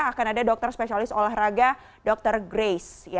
akan ada dokter spesialis olahraga dr grace